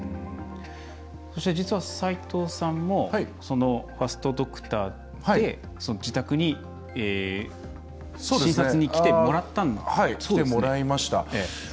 そして実は斉藤さんもそのファストドクターで自宅に診察に来てもらったんですね。来てもらいました。